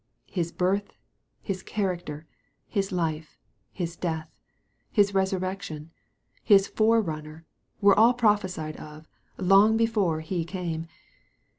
His birth, His character, His life, His death, His resurrection, His forerunner, were all prophesied of, long before He came.